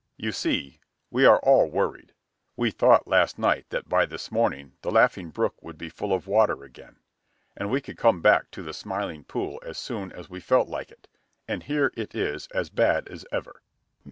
"You see, we are all worried. We thought last night that by this morning the Laughing Brook would be full of water again, and we could go back to the Smiling Pool as soon as we felt like it, and here it is as bad as ever."